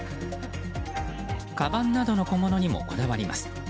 かばんなどの小物にもこだわります。